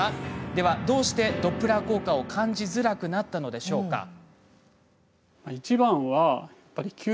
では、どうしてドップラー効果を感じづらくなったのでしょうか。